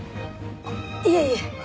いえいえ。